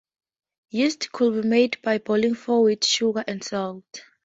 Yeast could be made by boiling flour with sugar and salt.